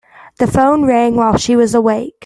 The phone rang while she was awake.